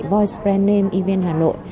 voice brand name evn hà nội